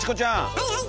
はいはい！